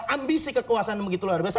ambisi kekuasaan yang begitu luar biasa